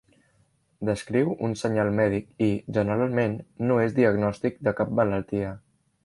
Descriu un senyal mèdic i, generalment, no és diagnòstic de cap malaltia.